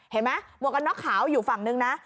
เห็นไหมหมวกกะน็อกขาวอยู่ฝั่งหนึ่งนะ